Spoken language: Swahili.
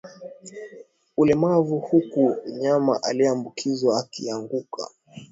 Ulemavu huku mnyama aliyeambukizwa akianguka